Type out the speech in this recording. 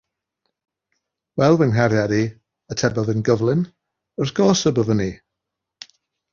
“Wel, fy nghariad i,” atebodd yn gyflym, “wrth gwrs y byddwn i!”